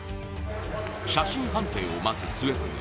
写真判定を待つ末續。